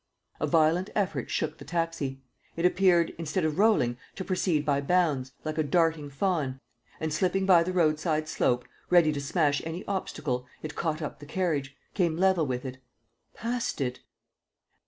A violent effort shook the taxi. It appeared, instead of rolling, to proceed by bounds, like a darting fawn, and, slipping by the roadside slope, ready to smash any obstacle, it caught up the carriage, came level with it, passed it.